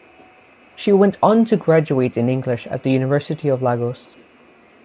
She went on to graduate in English at the University of Lagos.